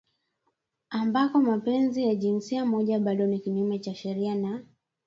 ambako mapenzi ya jinsia moja bado ni kinyume cha sheria na